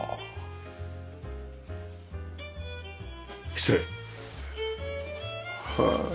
失礼。